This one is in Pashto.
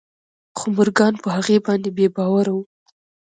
خو مورګان په هغه باندې بې باوره و